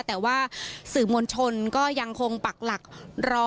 แต่ว่าสื่อมวลชนก็ยังคงปักหลักรอ